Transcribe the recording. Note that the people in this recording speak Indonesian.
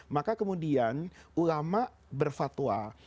maka kemudian ulama berfatwa